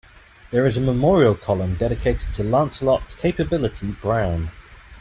There is a memorial column dedicated to Lancelot "Capability" Brown.